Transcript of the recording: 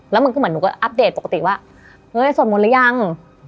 แล้วมันก็เหมือนหนูก็อัปเดตปกติว่าเฮ้ยสวดมนต์หรือยัง